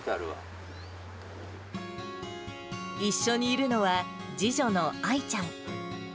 一緒にいるのは、次女のあいちゃん。